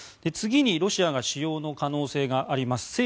次にロシアが使用の可能性があります